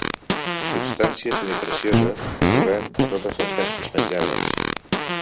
Substància semipreciosa que trobem a totes les bèsties penjades.